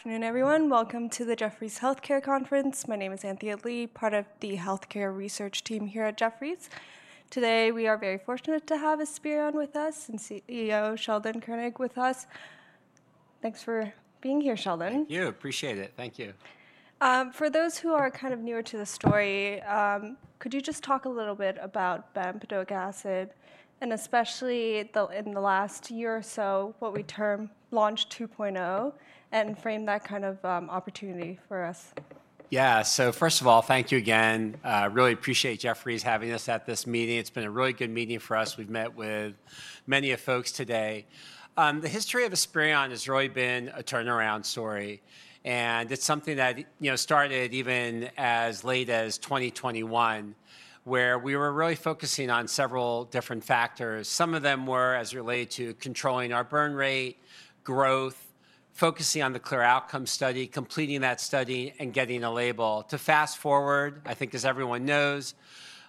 Afternoon, everyone. Welcome to the Jefferies Healthcare Conference. My name is Anthea Li, part of the healthcare research team here at Jefferies. Today, we are very fortunate to have Esperion with us and CEO Sheldon Koenig with us. Thanks for being here, Sheldon. Thank you. Appreciate it. Thank you. For those who are kind of newer to the story, could you just talk a little bit about bempedoic acid, and especially in the last year or so, what we term Launch 2.0, and frame that kind of opportunity for us? Yeah. First of all, thank you again. Really appreciate Jefferies having us at this meeting. It's been a really good meeting for us. We've met with many folks today. The history of Esperion has really been a turnaround story. It's something that started even as late as 2021, where we were really focusing on several different factors. Some of them were related to controlling our burn rate, growth, focusing on the CLEAR Outcomes Study, completing that study, and getting a label. To fast forward, I think, as everyone knows,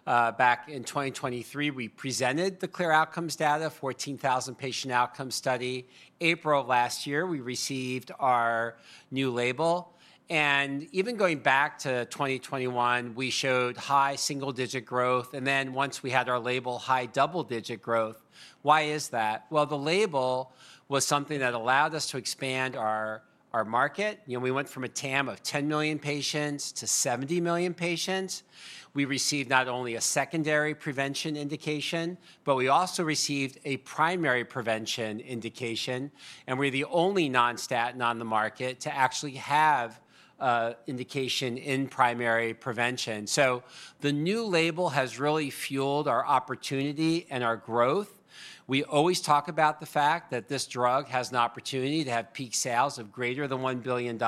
back in 2023, we presented the CLEAR Outcomes Data, 14,000 patient outcome study. April of last year, we received our new label. Even going back to 2021, we showed high single-digit growth. Then once we had our label, high double-digit growth. Why is that? The label was something that allowed us to expand our market. We went from a TAM of 10 million patients to 70 million patients. We received not only a secondary prevention indication, but we also received a primary prevention indication. We are the only non-statin on the market to actually have an indication in primary prevention. The new label has really fueled our opportunity and our growth. We always talk about the fact that this drug has an opportunity to have peak sales of greater than $1 billion.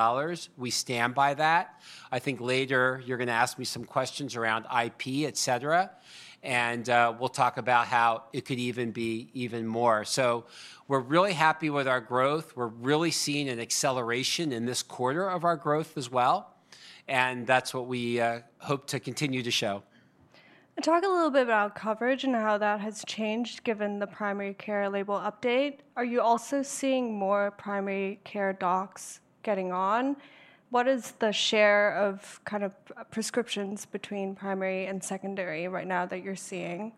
We stand by that. I think later you are going to ask me some questions around IP, et cetera. We will talk about how it could even be even more. We are really happy with our growth. We are really seeing an acceleration in this quarter of our growth as well. That is what we hope to continue to show. Talk a little bit about coverage and how that has changed given the primary care label update. Are you also seeing more primary care docs getting on? What is the share of kind of prescriptions between primary and secondary right now that you're seeing?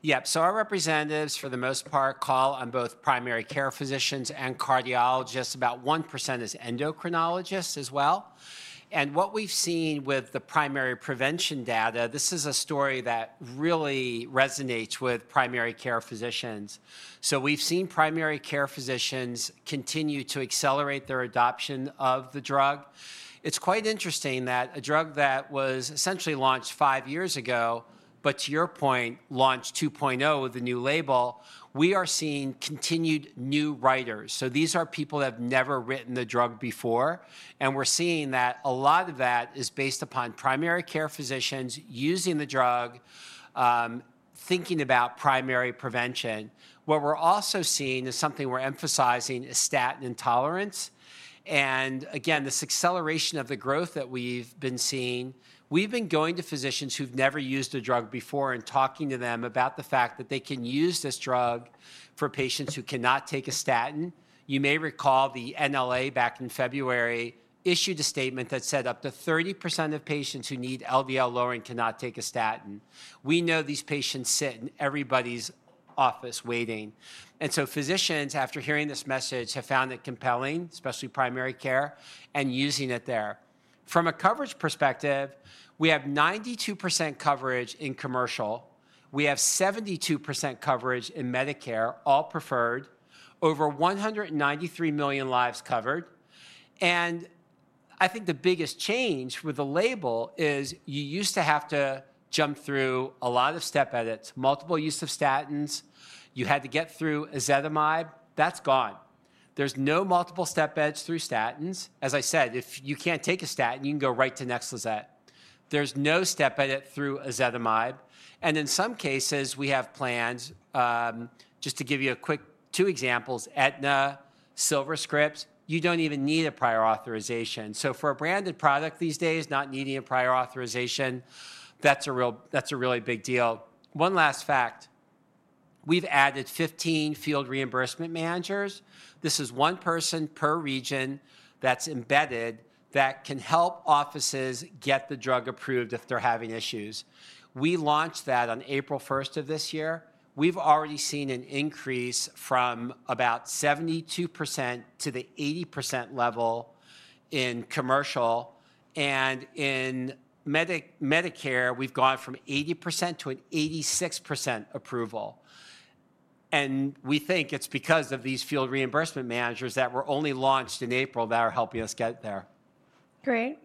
Yeah. Our representatives, for the most part, call on both primary care physicians and cardiologists. About 1% is endocrinologists as well. What we've seen with the primary prevention data, this is a story that really resonates with primary care physicians. We've seen primary care physicians continue to accelerate their adoption of the drug. It's quite interesting that a drug that was essentially launched five years ago, but to your point, Launch 2.0 with the new label, we are seeing continued new writers. These are people that have never written the drug before. We're seeing that a lot of that is based upon primary care physicians using the drug, thinking about primary prevention. What we're also seeing is something we're emphasizing is statin intolerance. This acceleration of the growth that we've been seeing, we've been going to physicians who've never used a drug before and talking to them about the fact that they can use this drug for patients who cannot take a statin. You may recall the NLA back in February issued a statement that said up to 30% of patients who need LDL lowering cannot take a statin. We know these patients sit in everybody's office waiting. Physicians, after hearing this message, have found it compelling, especially primary care, and using it there. From a coverage perspective, we have 92% coverage in commercial. We have 72% coverage in Medicare, all preferred, over 193 million lives covered. I think the biggest change with the label is you used to have to jump through a lot of step edits, multiple use of statins. You had to get through ezetimibe. That's gone. There's no multiple step edits through statins. As I said, if you can't take a statin, you can go right to Nexlizet. There's no step edit through ezetimibe. In some cases, we have plans, just to give you a quick two examples, Aetna, SilverScript, you don't even need a prior authorization. For a branded product these days, not needing a prior authorization, that's a really big deal. One last fact, we've added 15 field reimbursement managers. This is one person per region that's embedded that can help offices get the drug approved if they're having issues. We launched that on April 1st of this year. We've already seen an increase from about 72% to the 80% level in commercial. In Medicare, we've gone from 80% to an 86% approval. We think it's because of these field reimbursement managers that were only launched in April that are helping us get there. Great.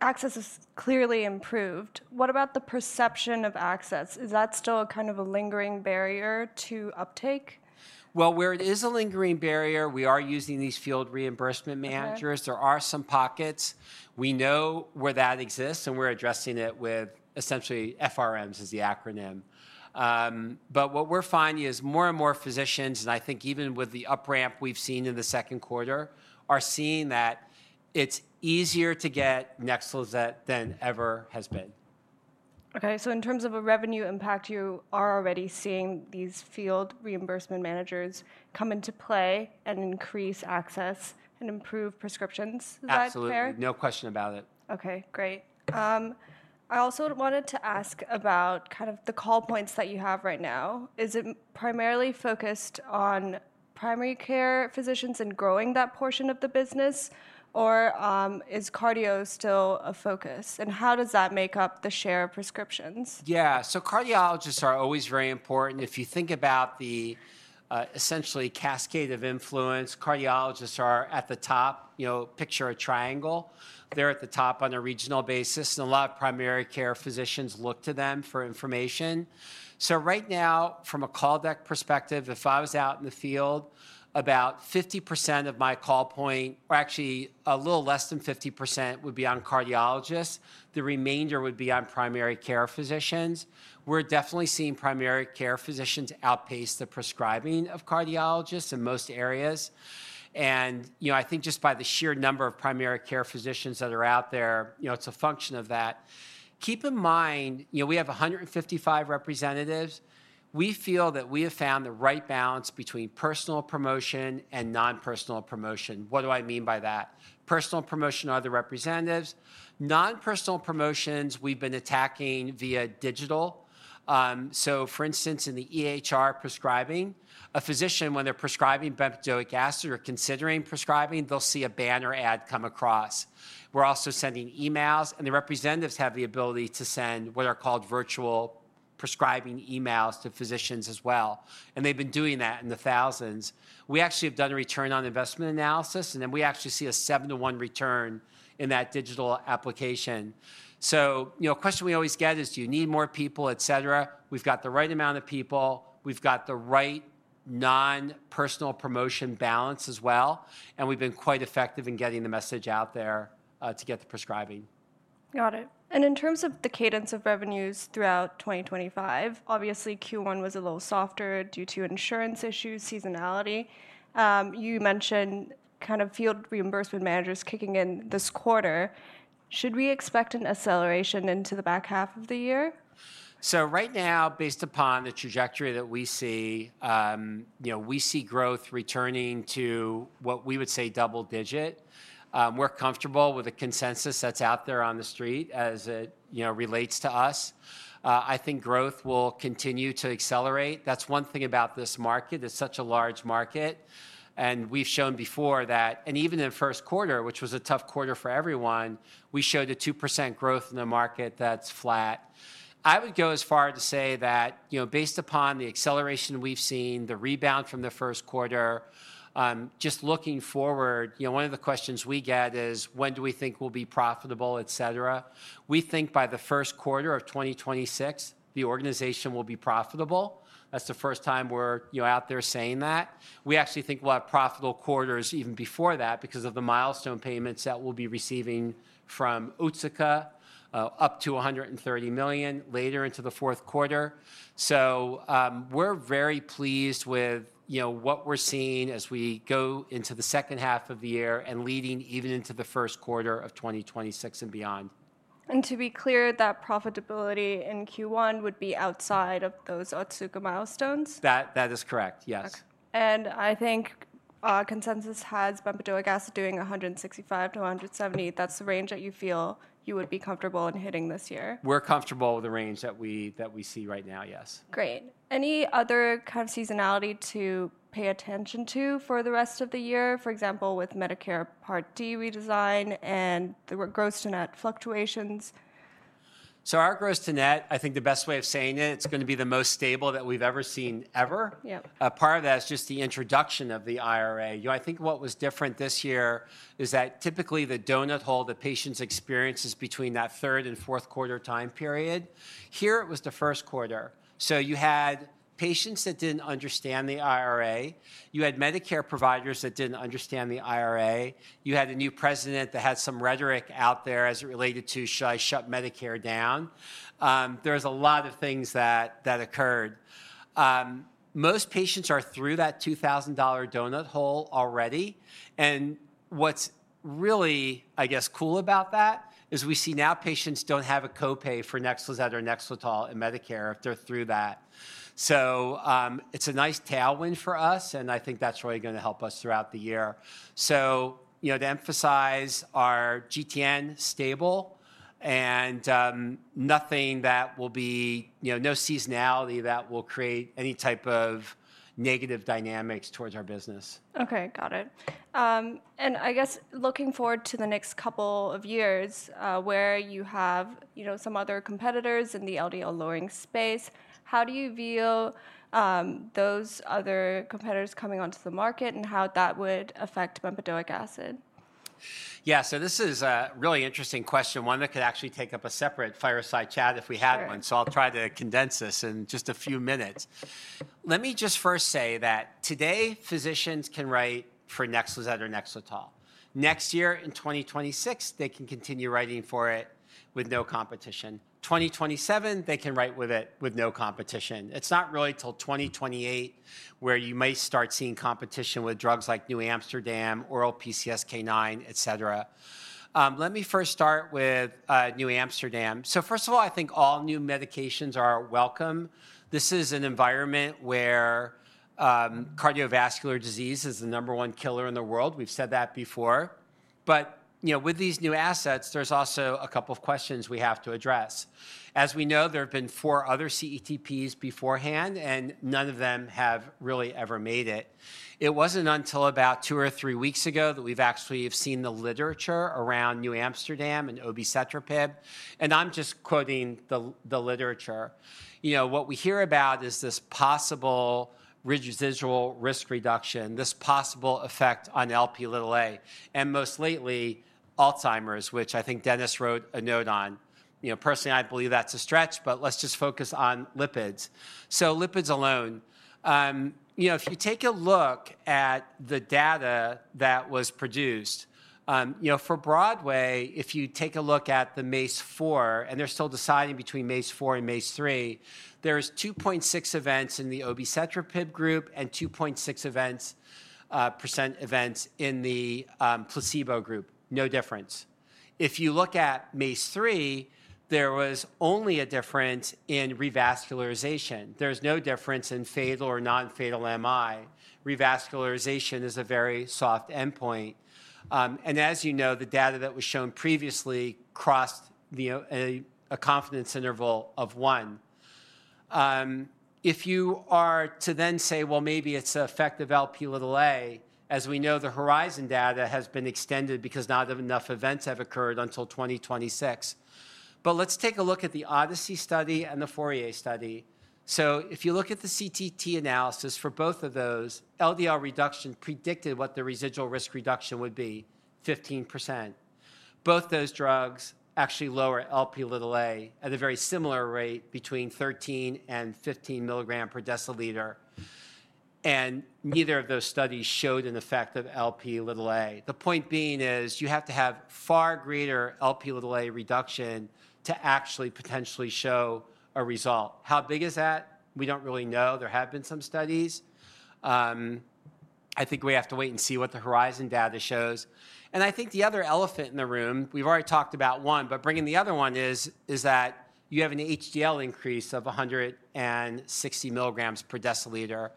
Access is clearly improved. What about the perception of access? Is that still kind of a lingering barrier to uptake? Where it is a lingering barrier, we are using these field reimbursement managers. There are some pockets. We know where that exists, and we're addressing it with essentially FRMs is the acronym. What we're finding is more and more physicians, and I think even with the upramp we've seen in the second quarter, are seeing that it's easier to get Nexlizet than it ever has been. Okay. In terms of a revenue impact, you are already seeing these field reimbursement managers come into play and increase access and improve prescriptions. Is that fair? Absolutely. No question about it. Okay. Great. I also wanted to ask about kind of the call points that you have right now. Is it primarily focused on primary care physicians and growing that portion of the business, or is cardio still a focus? How does that make up the share of prescriptions? Yeah. Cardiologists are always very important. If you think about the essentially cascade of influence, cardiologists are at the top. Picture a triangle. They're at the top on a regional basis. A lot of primary care physicians look to them for information. Right now, from a call deck perspective, if I was out in the field, about 50% of my call point, or actually a little less than 50%, would be on cardiologists. The remainder would be on primary care physicians. We're definitely seeing primary care physicians outpace the prescribing of cardiologists in most areas. I think just by the sheer number of primary care physicians that are out there, it's a function of that. Keep in mind, we have 155 representatives. We feel that we have found the right balance between personal promotion and nonpersonal promotion. What do I mean by that? Personal promotion are the representatives. Nonpersonal promotions, we've been attacking via digital. For instance, in the EHR prescribing, a physician, when they're prescribing bempedoic acid or considering prescribing, they'll see a banner ad come across. We're also sending emails. The representatives have the ability to send what are called virtual prescribing emails to physicians as well. They've been doing that in the thousands. We actually have done a return on investment analysis. We actually see a seven to one return in that digital application. A question we always get is, do you need more people, et cetera? We've got the right amount of people. We've got the right nonpersonal promotion balance as well. We've been quite effective in getting the message out there to get the prescribing. Got it. In terms of the cadence of revenues throughout 2025, obviously, Q1 was a little softer due to insurance issues, seasonality. You mentioned kind of field reimbursement managers kicking in this quarter. Should we expect an acceleration into the back half of the year? Right now, based upon the trajectory that we see, we see growth returning to what we would say double digit. We're comfortable with the consensus that's out there on the street as it relates to us. I think growth will continue to accelerate. That's one thing about this market. It's such a large market. We've shown before that, and even in the first quarter, which was a tough quarter for everyone, we showed a 2% growth in the market that's flat. I would go as far to say that based upon the acceleration we've seen, the rebound from the first quarter, just looking forward, one of the questions we get is, when do we think we'll be profitable, et cetera? We think by the first quarter of 2026, the organization will be profitable. That's the first time we're out there saying that. We actually think we'll have profitable quarters even before that because of the milestone payments that we'll be receiving from Otsuka, up to $130 million later into the fourth quarter. We are very pleased with what we're seeing as we go into the second half of the year and leading even into the first quarter of 2026 and beyond. To be clear, that profitability in Q1 would be outside of those Otsuka milestones? That is correct. Yes. I think consensus has bempedoic acid doing $165-$170. That's the range that you feel you would be comfortable in hitting this year. We're comfortable with the range that we see right now. Yes. Great. Any other kind of seasonality to pay attention to for the rest of the year, for example, with Medicare Part D redesign and the gross to net fluctuations? Our gross to net, I think the best way of saying it, it's going to be the most stable that we've ever seen ever. Part of that is just the introduction of the IRA. I think what was different this year is that typically the donut hole, the patients' experiences between that third and fourth quarter time period, here it was the first quarter. You had patients that didn't understand the IRA. You had Medicare providers that didn't understand the IRA. You had a new president that had some rhetoric out there as it related to, should I shut Medicare down? There was a lot of things that occurred. Most patients are through that $2,000 donut hole already. What's really, I guess, cool about that is we see now patients don't have a copay for Nexlizet or Nexletol in Medicare if they're through that. It is a nice tailwind for us. I think that is really going to help us throughout the year. To emphasize, our GTN is stable and nothing that will be no seasonality that will create any type of negative dynamics towards our business. Okay. Got it. I guess looking forward to the next couple of years where you have some other competitors in the LDL lowering space, how do you view those other competitors coming onto the market and how that would affect bempedoic acid? Yeah. This is a really interesting question, one that could actually take up a separate fireside chat if we had one. I'll try to condense this in just a few minutes. Let me just first say that today, physicians can write for Nexlizet or Nexletol. Next year, in 2026, they can continue writing for it with no competition. In 2027, they can write with it with no competition. It's not really until 2028 where you may start seeing competition with drugs like NewAmsterdam, oral PCSK9, et cetera. Let me first start with NewAmsterdam. First of all, I think all new medications are welcome. This is an environment where cardiovascular disease is the number one killer in the world. We've said that before. With these new assets, there's also a couple of questions we have to address. As we know, there have been four other CETPs beforehand, and none of them have really ever made it. It was not until about two or three weeks ago that we have actually seen the literature around NewAmsterdam and obicetrapib. And I am just quoting the literature. What we hear about is this possible residual risk reduction, this possible effect on Lp(a), and most lately, Alzheimer's, which I think Dennis wrote a note on. Personally, I believe that is a stretch, but let us just focus on lipids. So lipids alone, if you take a look at the data that was produced, for Broadway, if you take a look at the MACE4, and they are still deciding between MACE4 and MACE3, there are 2.6 events in the obicetrapib group and 2.6% events in the placebo group. No difference. If you look at MACE3, there was only a difference in revascularization. There's no difference in fatal or non-fatal MI. Revascularization is a very soft endpoint. As you know, the data that was shown previously crossed a confidence interval of one. If you are to then say, maybe it's an effect of Lp(a), as we know, the horizon data has been extended because not enough events have occurred until 2026. Let's take a look at the ODYSSEY study and the FOURIER study. If you look at the CTT analysis for both of those, LDL reduction predicted what the residual risk reduction would be, 15%. Both those drugs actually lower Lp(a) at a very similar rate between 13 mg/dl-15 mg/dl. Neither of those studies showed an effect of Lp(a). The point being is you have to have far greater Lp(a) reduction to actually potentially show a result. How big is that? We don't really know. There have been some studies. I think we have to wait and see what the horizon data shows. I think the other elephant in the room, we've already talked about one, but bringing the other one is that you have an HDL increase of 160 mg/dl.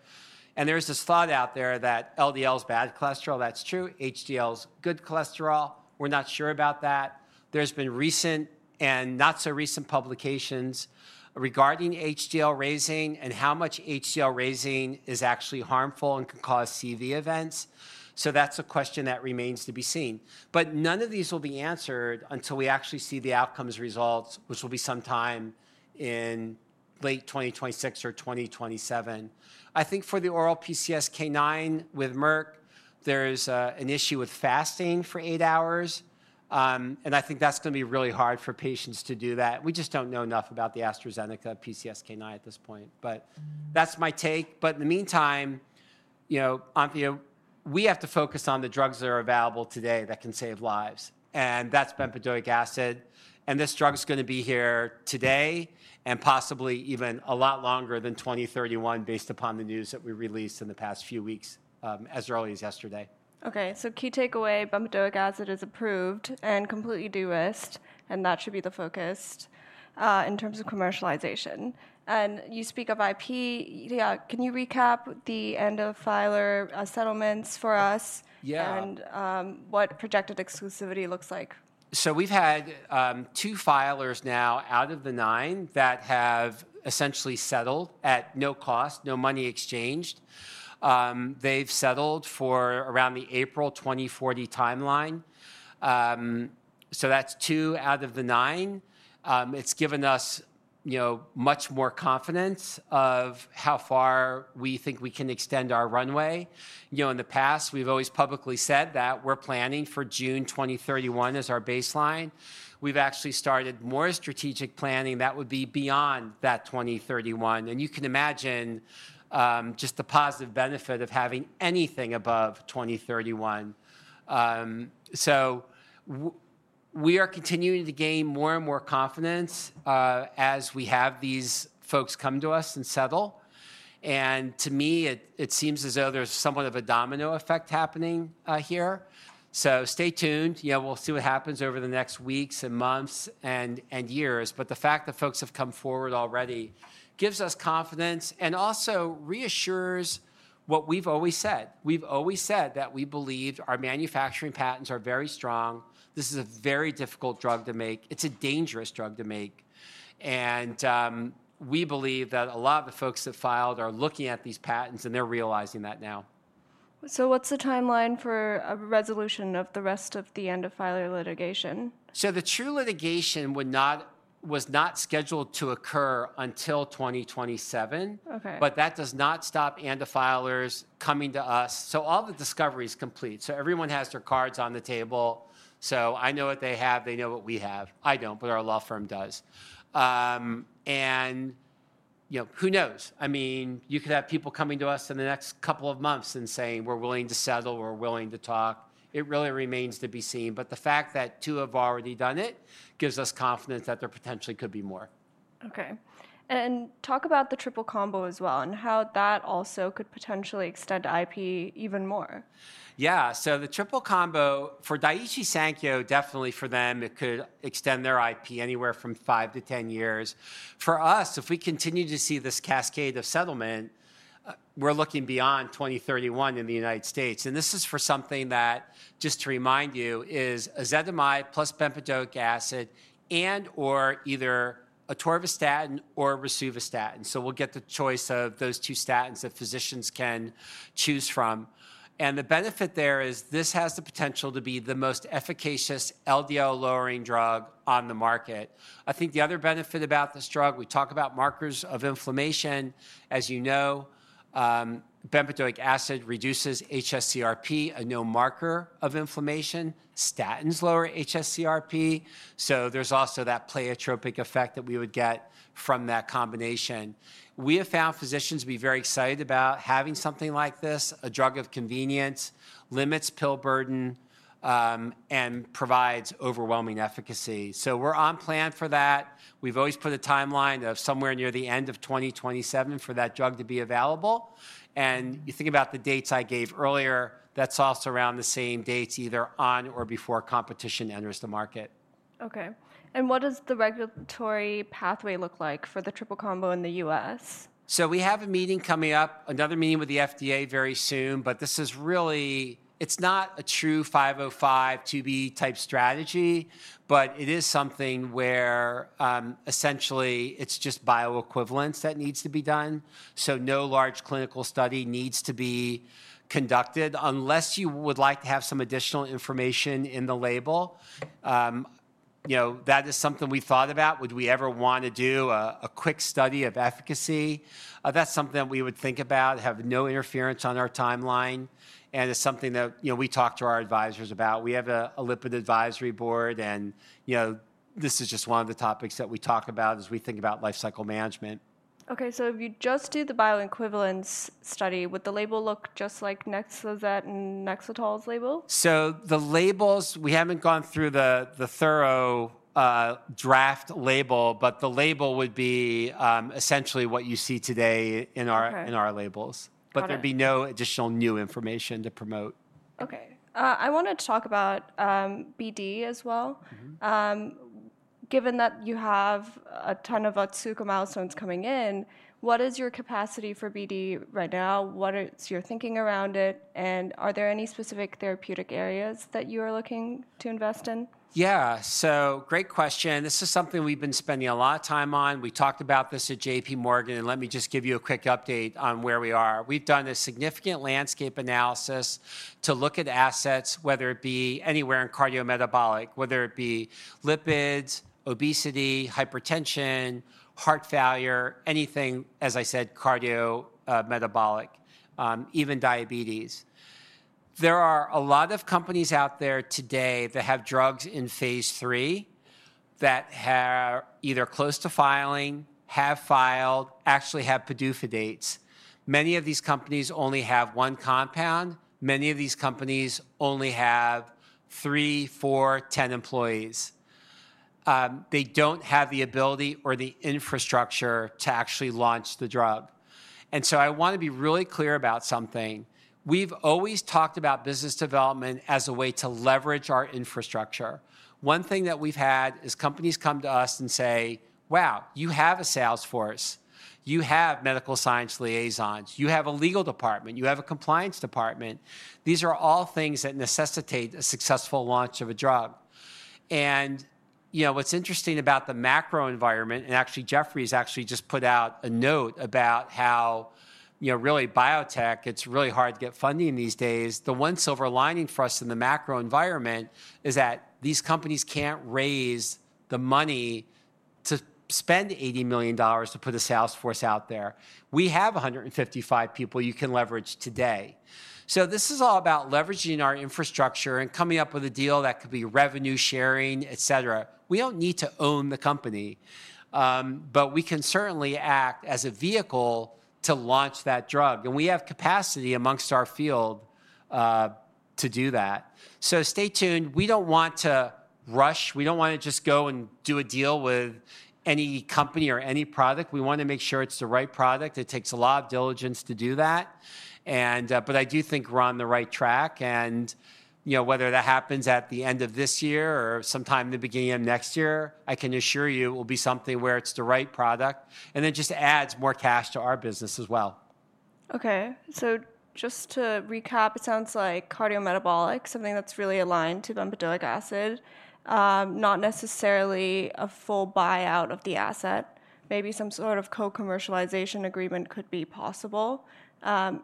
There's this thought out there that LDL is bad cholesterol. That's true. HDL is good cholesterol. We're not sure about that. There's been recent and not so recent publications regarding HDL raising and how much HDL raising is actually harmful and can cause CV events. That's a question that remains to be seen. None of these will be answered until we actually see the outcomes results, which will be sometime in late 2026 or 2027. I think for the oral PCSK9 with Merck, there's an issue with fasting for eight hours. I think that's going to be really hard for patients to do that. We just don't know enough about the AstraZeneca PCSK9 at this point. That's my take. In the meantime, we have to focus on the drugs that are available today that can save lives. That's bempedoic acid. This drug is going to be here today and possibly even a lot longer than 2031 based upon the news that we released in the past few weeks as early as yesterday. Okay. So key takeaway, bempedoic acid is approved and completely de-risked, and that should be the focus in terms of commercialization. You speak of IP. Yeah. Can you recap the end of filer settlements for us and what projected exclusivity looks like? We've had two filers now out of the nine that have essentially settled at no cost, no money exchanged. They've settled for around the April 2040 timeline. That's two out of the nine. It's given us much more confidence of how far we think we can extend our runway. In the past, we've always publicly said that we're planning for June 2031 as our baseline. We've actually started more strategic planning that would be beyond that 2031. You can imagine just the positive benefit of having anything above 2031. We are continuing to gain more and more confidence as we have these folks come to us and settle. To me, it seems as though there's somewhat of a domino effect happening here. Stay tuned. We'll see what happens over the next weeks and months and years. The fact that folks have come forward already gives us confidence and also reassures what we've always said. We've always said that we believe our manufacturing patents are very strong. This is a very difficult drug to make. It's a dangerous drug to make. We believe that a lot of the folks that filed are looking at these patents, and they're realizing that now. What's the timeline for resolution of the rest of the end of filer litigation? The true litigation was not scheduled to occur until 2027. That does not stop end of filers coming to us. All the discovery is complete. Everyone has their cards on the table. I know what they have. They know what we have. I do not, but our law firm does. Who knows? I mean, you could have people coming to us in the next couple of months and saying, we're willing to settle. We're willing to talk. It really remains to be seen. The fact that two have already done it gives us confidence that there potentially could be more. Okay. Talk about the triple combo as well and how that also could potentially extend IP even more. Yeah. The triple combo for Daiichi Sankyo, definitely for them, it could extend their IP anywhere from five to ten years. For us, if we continue to see this cascade of settlement, we're looking beyond 2031 in the United States. This is for something that, just to remind you, is ezetimibe plus bempedoic acid and/or either atorvastatin or rosuvastatin. We'll get the choice of those two statins that physicians can choose from. The benefit there is this has the potential to be the most efficacious LDL-lowering drug on the market. I think the other benefit about this drug, we talk about markers of inflammation. As you know, bempedoic acid reduces HSCRP, a known marker of inflammation. Statins lower HSCRP. There is also that pleiotropic effect that we would get from that combination. We have found physicians to be very excited about having something like this, a drug of convenience, limits pill burden, and provides overwhelming efficacy. We are on plan for that. We have always put a timeline of somewhere near the end of 2027 for that drug to be available. You think about the dates I gave earlier, that is also around the same dates, either on or before competition enters the market. Okay. What does the regulatory pathway look like for the triple combo in the U.S.? We have a meeting coming up, another meeting with the FDA very soon. This is really, it's not a true 505(b)(2) type strategy, but it is something where essentially it's just bioequivalence that needs to be done. No large clinical study needs to be conducted unless you would like to have some additional information in the label. That is something we thought about. Would we ever want to do a quick study of efficacy? That's something that we would think about, have no interference on our timeline. It's something that we talk to our advisors about. We have a lipid advisory board. This is just one of the topics that we talk about as we think about lifecycle management. Okay. If you just do the bioequivalence study, would the label look just like Nexlizet and Nexletol's label? The labels, we haven't gone through the thorough draft label, but the label would be essentially what you see today in our labels. There'd be no additional new information to promote. Okay. I want to talk about BD as well. Given that you have a ton of Otsuka milestones coming in, what is your capacity for BD right now? What is your thinking around it? Are there any specific therapeutic areas that you are looking to invest in? Yeah. Great question. This is something we've been spending a lot of time on. We talked about this at JP Morgan. Let me just give you a quick update on where we are. We've done a significant landscape analysis to look at assets, whether it be anywhere in cardiometabolic, whether it be lipids, obesity, hypertension, heart failure, anything, as I said, cardiometabolic, even diabetes. There are a lot of companies out there today that have drugs in phase three that are either close to filing, have filed, actually have pseudophytates. Many of these companies only have one compound. Many of these companies only have three, four, ten employees. They do not have the ability or the infrastructure to actually launch the drug. I want to be really clear about something. We've always talked about business development as a way to leverage our infrastructure. One thing that we've had is companies come to us and say, wow, you have a salesforce. You have medical science liaisons. You have a legal department. You have a compliance department. These are all things that necessitate a successful launch of a drug. What's interesting about the macro environment, and actually Jefferies has actually just put out a note about how really biotech, it's really hard to get funding these days. The one silver lining for us in the macro environment is that these companies can't raise the money to spend $80 million to put a salesforce out there. We have 155 people you can leverage today. This is all about leveraging our infrastructure and coming up with a deal that could be revenue sharing, et cetera. We don't need to own the company, but we can certainly act as a vehicle to launch that drug. We have capacity amongst our field to do that. Stay tuned. We do not want to rush. We do not want to just go and do a deal with any company or any product. We want to make sure it is the right product. It takes a lot of diligence to do that. I do think we are on the right track. Whether that happens at the end of this year or sometime in the beginning of next year, I can assure you it will be something where it is the right product. It just adds more cash to our business as well. Okay. Just to recap, it sounds like cardiometabolic, something that's really aligned to bempedoic acid, not necessarily a full buyout of the asset. Maybe some sort of co-commercialization agreement could be possible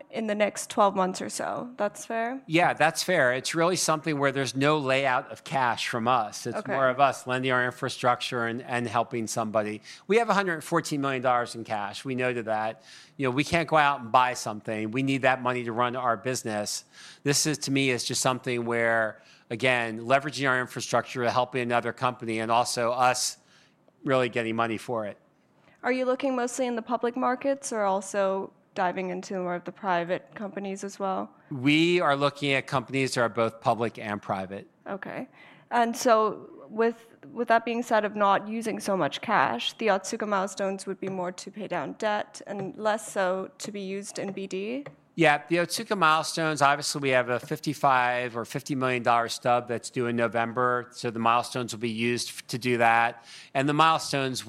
in the next 12 months or so. That's fair? Yeah, that's fair. It's really something where there's no layout of cash from us. It's more of us lending our infrastructure and helping somebody. We have $114 million in cash. We know that. We can't go out and buy something. We need that money to run our business. This is, to me, is just something where, again, leveraging our infrastructure, helping another company, and also us really getting money for it. Are you looking mostly in the public markets or also diving into more of the private companies as well? We are looking at companies that are both public and private. Okay. With that being said, of not using so much cash, the Otsuka milestones would be more to pay down debt and less so to be used in BD? Yeah. The Otsuka milestones, obviously, we have a $55 million or $50 million stub that's due in November. The milestones will be used to do that. The milestones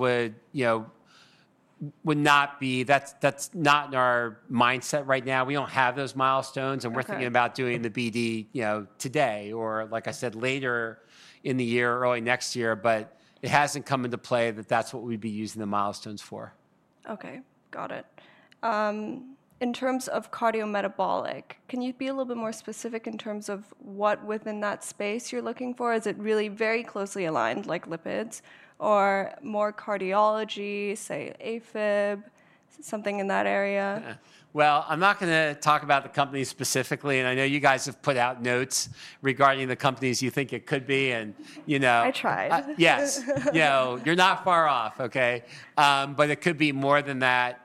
would not be, that's not in our mindset right now. We don't have those milestones, and we're thinking about doing the BD today or, like I said, later in the year, early next year. It hasn't come into play that that's what we'd be using the milestones for. Okay. Got it. In terms of cardiometabolic, can you be a little bit more specific in terms of what within that space you're looking for? Is it really very closely aligned like lipids or more cardiology, say, AFib, something in that area? I'm not going to talk about the companies specifically. I know you guys have put out notes regarding the companies you think it could be. I tried. Yes. You're not far off, okay? It could be more than that.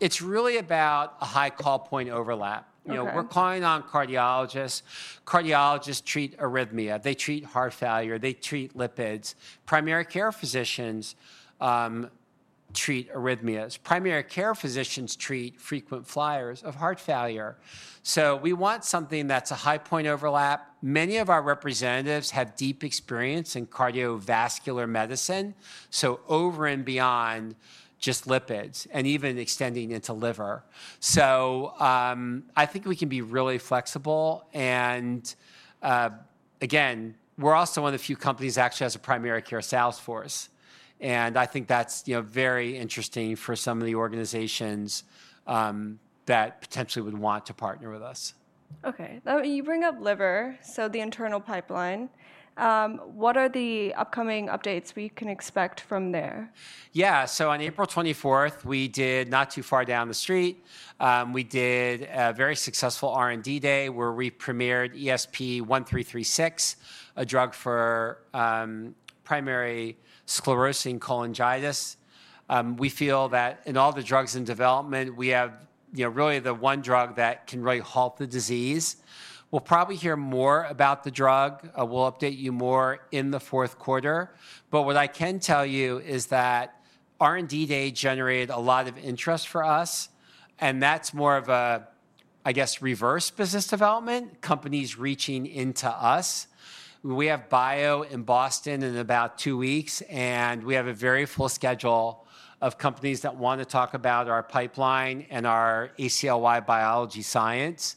It's really about a high call point overlap. We're calling on cardiologists. Cardiologists treat arrhythmia. They treat heart failure. They treat lipids. Primary care physicians treat arrhythmias. Primary care physicians treat frequent flyers of heart failure. We want something that's a high point overlap. Many of our representatives have deep experience in cardiovascular medicine, so over and beyond just lipids and even extending into liver. I think we can be really flexible. Again, we're also one of the few companies that actually has a primary care salesforce. I think that's very interesting for some of the organizations that potentially would want to partner with us. Okay. You bring up liver, so the internal pipeline. What are the upcoming updates we can expect from there? Yeah. On April 24th, we did, not too far down the street, a very successful R&D day where we premiered ESP-1336, a drug for Primary Sclerosing Cholangitis. We feel that in all the drugs in development, we have really the one drug that can really halt the disease. We'll probably hear more about the drug. We'll update you more in the fourth quarter. What I can tell you is that R&D day generated a lot of interest for us. That's more of a, I guess, reverse business development, companies reaching into us. We have BIO in Boston in about two weeks. We have a very full schedule of companies that want to talk about our pipeline and our ACLY biology science.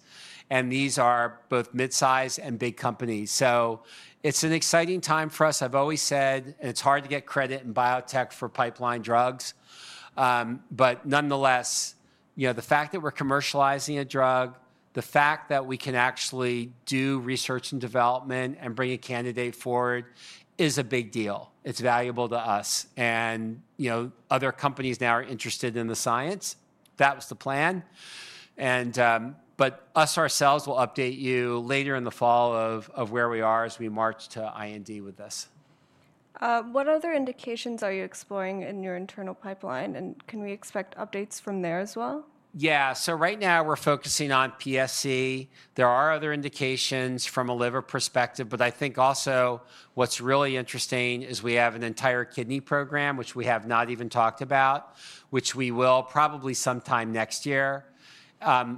These are both mid-size and big companies. It's an exciting time for us. I've always said, and it's hard to get credit in biotech for pipeline drugs. Nonetheless, the fact that we're commercializing a drug, the fact that we can actually do research and development and bring a candidate forward is a big deal. It's valuable to us. Other companies now are interested in the science. That was the plan. Us ourselves, we'll update you later in the fall of where we are as we march to IND with this. What other indications are you exploring in your internal pipeline? Can we expect updates from there as well? Yeah. Right now, we're focusing on PSC. There are other indications from a liver perspective. I think also what's really interesting is we have an entire kidney program, which we have not even talked about, which we will probably sometime next year.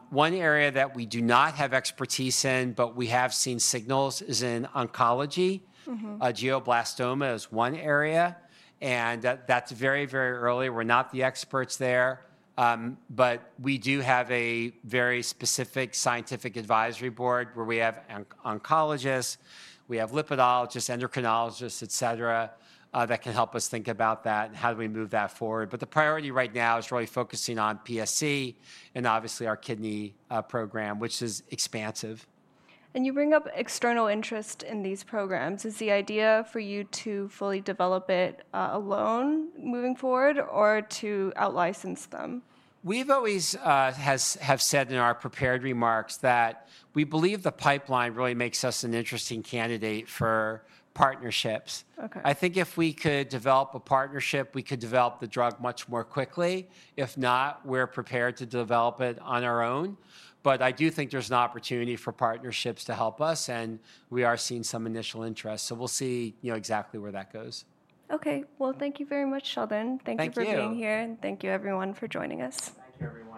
One area that we do not have expertise in, but we have seen signals, is in oncology. Glioblastoma is one area. That's very, very early. We're not the experts there. We do have a very specific scientific advisory board where we have oncologists, we have lipidologists, endocrinologists, et cetera, that can help us think about that and how do we move that forward. The priority right now is really focusing on PSC and obviously our kidney program, which is expansive. You bring up external interest in these programs. Is the idea for you to fully develop it alone moving forward or to out-license them? We have always said in our prepared remarks that we believe the pipeline really makes us an interesting candidate for partnerships. I think if we could develop a partnership, we could develop the drug much more quickly. If not, we are prepared to develop it on our own. I do think there is an opportunity for partnerships to help us. We are seeing some initial interest. We will see exactly where that goes. Okay. Thank you very much, Sheldon. Thank you for being here. Thank you, everyone, for joining us. Thank you, everyone.